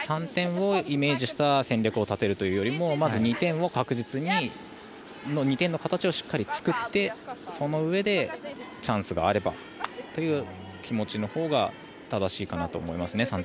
３点をイメージした戦略を立てるというよりもまず、確実に２点の形をしっかり作ってそのうえでチャンスがあればという気持ちのほうがあるかなと思いますね